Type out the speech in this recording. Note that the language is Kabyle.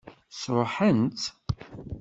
Sṛuḥen-tt?